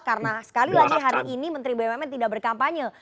karena sekali lagi hari ini menteri bumn tidak berkampanye